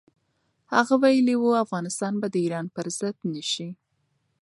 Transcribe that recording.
هغه ویلي و، افغانستان به د ایران پر ضد نه شي.